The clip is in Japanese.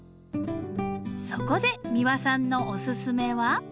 そこで三輪さんのおすすめは？